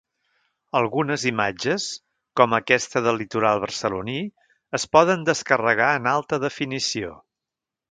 Algunes imatges, com aquesta del litoral barceloní, es poden descarregar en alta definició.